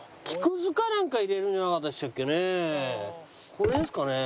これですかね？